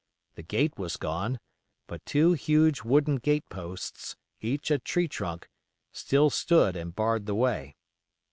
The gate was gone, but two huge wooden gate posts, each a tree trunk, still stood and barred the way.